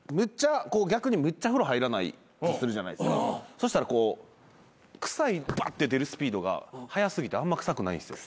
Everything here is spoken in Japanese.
そしたらこう臭いバッて出るスピードがはや過ぎてあんま臭くないんですよ。